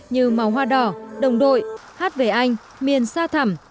như màu hoa đỏ đồng đội hát về anh miền sa thẩm